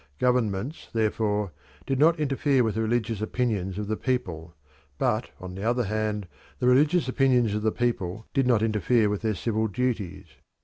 Governments, therefore, did not interfere with the religious opinions of the people, but on the other hand the religious opinions of the people did not interfere with their civil duties.